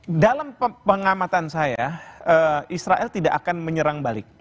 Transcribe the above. nah dalam pengamatan saya israel tidak akan menyerang balik